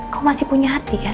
kok masih punya hati kan